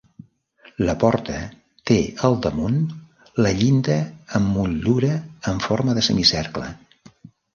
La porta té al damunt la llinda amb motllura en forma de semicercle.